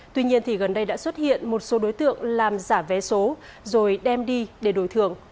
tuy nhiên thì gần đây đã xuất hiện một số đối tượng làm giả vé số rồi đem đi để đổi thưởng